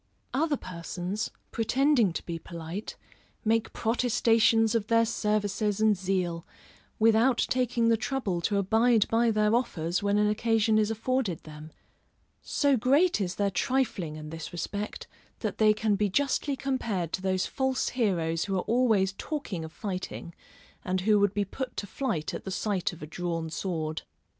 Other persons, pretending to be polite, make protestations of their services and zeal, without taking the trouble to abide by their offers when an occasion is afforded them: so great is their trifling in this respect that they can be justly compared to those false heroes who are always talking of fighting, and who would be put to flight at the sight of a drawn sword.